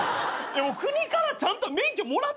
国からちゃんと免許もらってるんでね。